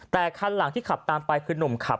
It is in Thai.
แต่คันหลังที่ขับตามไปคือนุ่มขับ